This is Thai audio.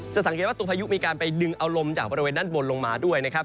สังเกตว่าตัวพายุมีการไปดึงเอาลมจากบริเวณด้านบนลงมาด้วยนะครับ